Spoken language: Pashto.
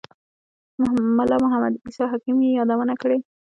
ملا محمد عیسی حکیم یې یادونه کړې.